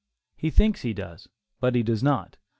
He thinks he does, but he does not.